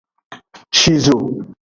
Shizo.